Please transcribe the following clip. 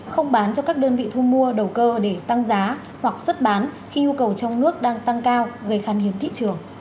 không bán cho các đơn vị thu mua đầu cơ để tăng giá hoặc xuất bán khi nhu cầu trong nước đang tăng cao gây khăn hiếm thị trường